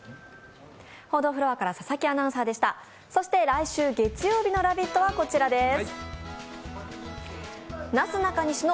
来週月曜日の「ラヴィット！」はこちらです。